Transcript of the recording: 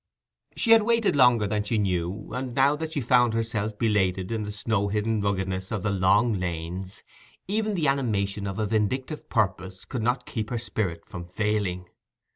She had waited longer than she knew, and now that she found herself belated in the snow hidden ruggedness of the long lanes, even the animation of a vindictive purpose could not keep her spirit from failing.